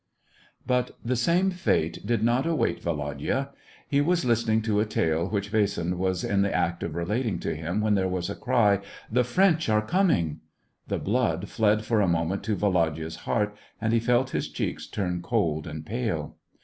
But the same fate did not await Volodya. He was listening to a tale which Vasin was in the act of relating to him, when there was a cry, —" The French are coming !" The blood fled for a moment to Volodya's heart, and he felt his cheeks turn cold and pale.